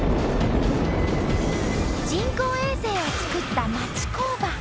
人工衛星を造った町工場。